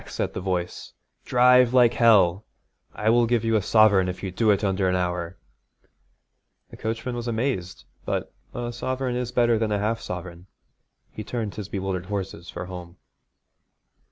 said the voice. 'Drive like hell! I will give you a sovereign if you do it under an hour.' The coachman was amazed, but a sovereign is better than a half sovereign. He turned his bewildered horses for home.